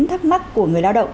thắc mắc của người lao động